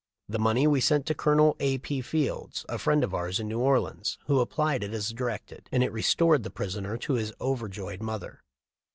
The money we sent to Col. A. P. Fields, a friend of ours in New Orleans, who applied it as directed, and it restored the prisoner to his over joyed mother.